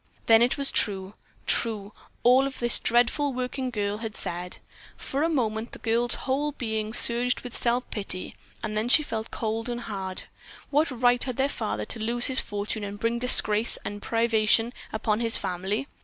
Then it was true, true, all that this dreadful working girl had said. For a moment the girl's whole being surged with self pity, then she felt cold and hard. What right had their father to lose his fortune and bring disgrace and privation upon his family?